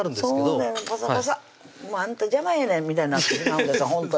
もうあんた邪魔やねんみたいになってしまうんですよ